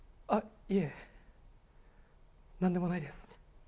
あの、いえ、何でもないです。